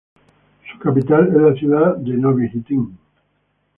Su capital es la ciudad de Nový Jičín.